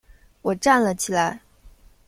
我站了起来